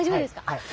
はい。